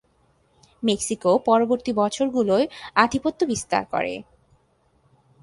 Mexico পরবর্তী বছরগুলোয় আধিপত্য বিস্তার করে।